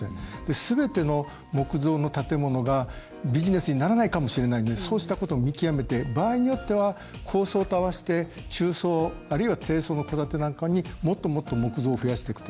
すべての、木造の建物がビジネスにならないかもしれないのでそうしたことも見極めて場合によっては高層タワー中層、低層の戸建なんかにもっともっと木造を増やしていくと。